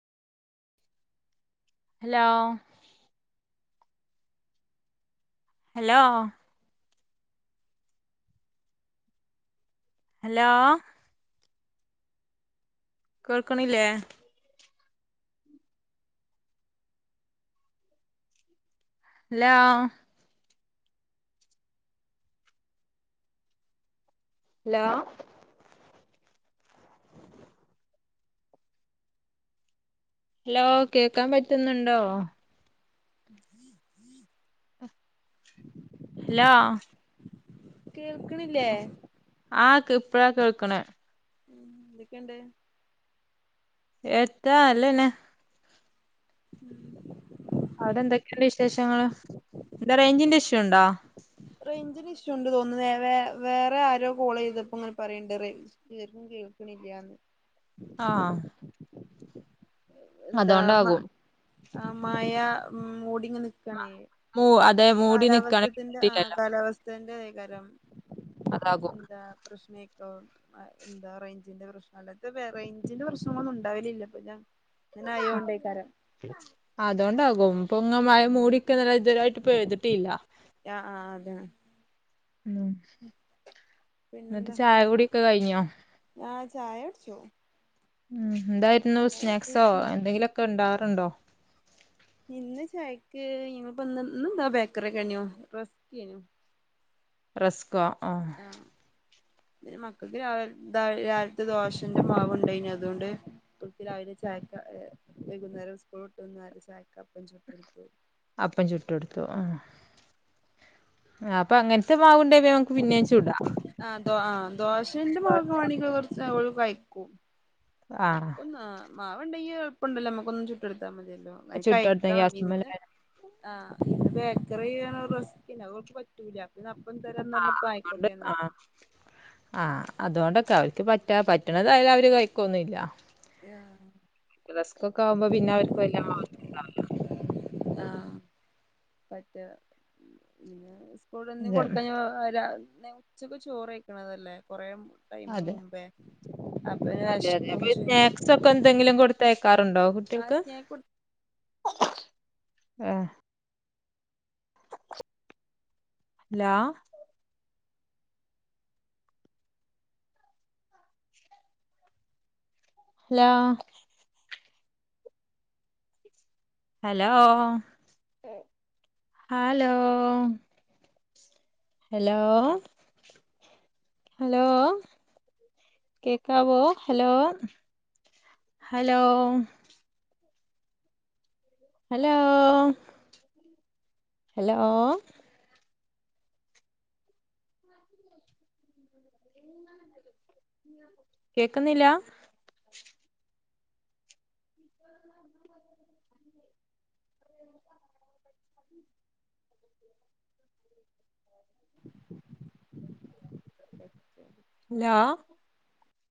Hello hello hello.. കേൾക്ണില്ലേ ഇല്ലാ hello hello കേക്കാൻ പറ്റുന്നുണ്ടോ സീം.. സീം.. ഹലോ കേൾക്ണില്ലേ? ആക്പ്പഴാ കേൾക്ക്ണേ. ഉം ന്തൊക്കെണ്ട്? എത്താ നല്ലേന്നെ. മ് അവടെന്തൊക്കെണ്ട് വിശേഷങ്ങള് ന്താ റേഞ്ചിന്റെ ഇഷ്യൂണ്ടോ? റൈഞ്ചിന് ഇഷ്യൂണ്ട് തോന്ന്ണ് വേ വേ വേറെ ആരോ കോളെയ്തപ്പോ ഇങ്ങനെ പറേണ്ട് റൈ കേക്കും കേൾക്ണില്ലാന്ന്. ആഹ് എന്താ മാ അതുകൊണ്ടാകും മഴ മൂടിങ്ങനെ നിക്കാണേയ്. മോ അതെവ് കാലാവസ്ഥത്തിൻ്റെ ആഹ് കാലാവസ്ഥന്റെ യേകാരം. അതാകും ന്താ പ്രശ്നേകോം അതെന്താ റൈഞ്ചിന്റെ പ്രശ്നല്ലാ ത് വേ റൈഞ്ചിന്റെ പ്രശ്നങ്ങളൊന്നുണ്ടാവല്ലില്ലപ്പൊ ഞാ ങ്ങനായോണ്ടേക്കാരം അതോണ്ടാകും പൊങ്ങ മഴ മൂടിക്കല്ലാതെ ഇതേരായിട്ട് പെയ്ത്ട്ടില്ല. ആഹ് ആഹ് അതെ മ് ന്ന്ട്ട് ചായകുടിഒക്കെ കയിഞ്ഞോ? ആഹ് ചായൊട്ച്ചു മ് എന്തായിര്ന്നു സ്നാക്സോ കുടിച്ചു എന്തെങ്കിലൊക്കെ ഉണ്ടാവറ്ണ്ടോ? ഇന്ന് ചായക്ക് ഇന്ന് പ്പന്ന് ന്ന്ന്താ ബേക്കറി ഒക്കെയ്നു റസ്ക്കെയ്നു റസ്കോ ആഹ് അ പിനെ മക്കക്ക് രാവ് രാവിലത്തെ ദോഷന്റെ മാവുണ്ടെയ്നി അതോണ്ട് കുട്ടി രാവിലെ ചായക്ക ഹേ വൈകുന്നേരം സ്കൂള്ട്ട്ന്നാല് ചായക്കപ്പച്ചുട്ടൊട്ത്തു. അപ്പം ചുട്ടൊട്ത്തു ആഹ് ആഹ് അപ്പൊ അങ്ങൻത്തെ മാവുണ്ടെ പിന്നേംമക്ക് പിന്നേ ചുടാ ആഹ് ദോ ആഹ് ദോശന്റെ മാവാണെങ്കി ഓള് കൊറ് ഓള് കൈക്കും. ആ അപ്പം ന്നാ മാവ്ണ്ടെങ്കി എൾപ്പണ്ടല്ലോ മ്മക്കൊന്ന് ചുട്ടൊട്ത്താ മതിയല്ലോ. വെൻ ചുട്ടെടുത്ത കഴിക്കണം ഇന്ന് ഗ്യാസ്മ്മലായ ആഹ് ബേക്കറി ചെയ്യാന്ള്ള റെസിപ്പിണ്ട് അത് ഓൾക്ക് പറ്റൂല്ല ഇന്ന് അപ്പം തരാന്ന് ആഹ് പറഞ്ഞപ്പോ അന്ന് ആയിക്കോട്ടെന്ന് ആഹ് ആഹ് അതുകൊണ്ടൊക്കെ അവർക്ക് പറ്റാ പറ്റണതായാലും അവര് കഴിക്കൊന്നുല്ല യാ റസ്കൊക്കെ ആകുമ്പോ പിന്നെ അവർക്ക് വല്ലാ ആഹ് പറ്റും കൂടൊന്നും അതെ കൊടുക്കാഞ്ഞാ രാ ഉച്ചക്ക് ചോറയ്ക്ക്ണതല്ലേ കുറേ ടൈമ് അതെ മുമ്പേ അപ്പൊ അതെ അതെ വെശക്കും അപ്പൊ ഈ ചെയ്യും സ്നാക്സ് ഒ ക്കെന്തെങ്കിലും കൊടുത്തേക്കാറുണ്ടോ ആ കുട്ടികൾക്ക് സ്നേഹ ആഹ് ല്ലോ ല്ലോ ഹലോ ഹലോ ഹലോ ഹലോ കേക്കാവോ ഹലോ ഹലോ ഹലോ ഹലോ കേക്ക്ന്നില്ലാ? കൊടു ല്ലോ